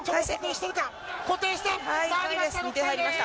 固定した！